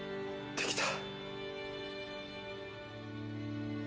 できた。